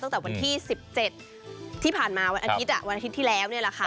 ตั้งแต่วันที่๑๗ที่ผ่านมาวันอาทิตย์วันอาทิตย์ที่แล้วนี่แหละค่ะ